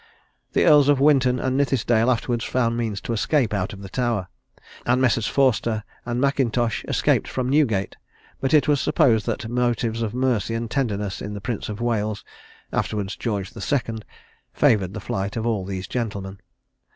The Earls of Winton and Nithisdale afterwards found means to escape out of the Tower; and Messrs. Forster and M'Intosh escaped from Newgate: but it was supposed that motives of mercy and tenderness in the Prince of Wales, afterwards George the Second, favoured the flight of all these gentlemen.